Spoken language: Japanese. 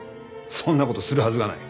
そんな事するはずがない。